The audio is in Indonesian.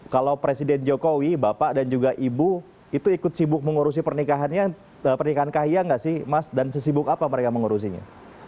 kalau presiden jokowi bapak dan juga ibu itu ikut sibuk mengurusi pernikahannya pernikahan kahiyang nggak sih mas dan sesibuk apa mereka mengurusinya